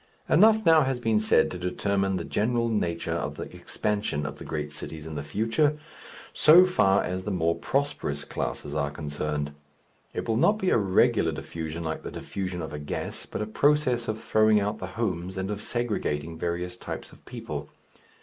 Enough now has been said to determine the general nature of the expansion of the great cities in the future, so far as the more prosperous classes are concerned. It will not be a regular diffusion like the diffusion of a gas, but a process of throwing out the "homes," and of segregating various types of people.